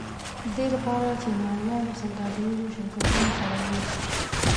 د دې لپاره چې د نړیوالو سوداګریزو شرکتونو سره یې.